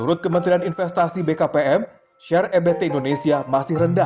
dan kemungkinan mereka tidak bisa mencapai keuntungan mereka